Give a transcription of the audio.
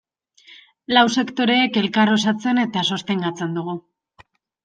Lau sektoreek elkar osatzen eta sostengatzen dugu.